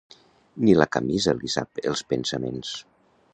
Ni la camisa li sap els pensaments.